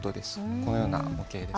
このような模型です。